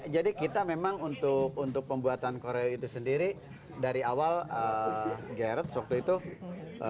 jadi kita memang untuk pembuatan koreo itu sendiri dari awal gerrit waktu itu bilang